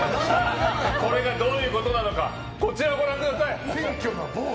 これがどういうことなのかこちらをご覧ください。